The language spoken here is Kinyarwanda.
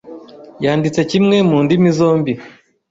Yanditse kimwe mundimi zombi.